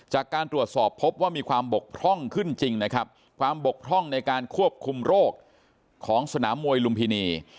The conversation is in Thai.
จากการตรวจสอบพบว่ามีความบกพร่องขึ้นจริงนะครับความบกพร่องในการควบคุมโรคของสนามมวยลุมพินี